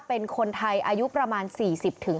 เป็นคนไทยอายุประมาณ๔๐